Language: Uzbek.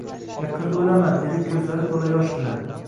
yaqinda o`laman, dedi ko`zlari to`la yosh bilan